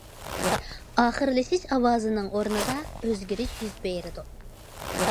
ئاخىرلىشىش ئاۋازىنىڭ ئورنىدا ئۆزگىرىش يۈز بېرىدۇ.